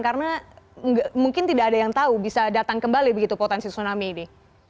karena mungkin tidak ada yang tahu bisa datang kembali begitu potensi tsunami ini